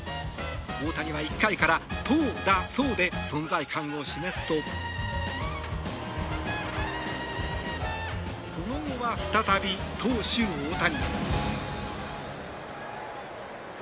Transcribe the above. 大谷は１回から投打走で存在感を示すとその後は再び、投手・大谷。